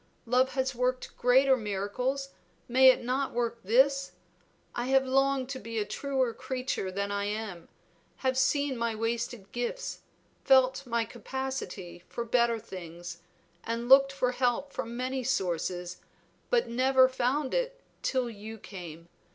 Love has worked greater miracles, may it not work this? I have longed to be a truer creature than I am; have seen my wasted gifts, felt my capacity for better things, and looked for help from many sources, but never found it till you came.